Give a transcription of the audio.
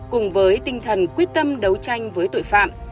cùng với tinh thần quyết tâm đấu tranh với tội phạm